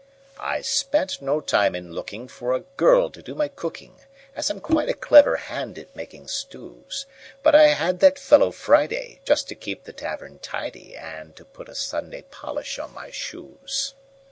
I spent no time in lookingFor a girl to do my cooking, As I'm quite a clever hand at making stews; But I had that fellow Friday, Just to keep the tavern tidy, And to put a Sunday polish on my shoes.